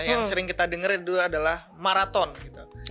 yang sering kita denger itu adalah marathon gitu